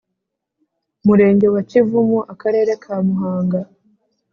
Murenge wa Kivumu Akarere ka Muhanga